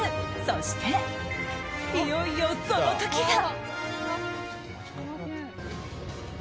そして、いよいよその時が。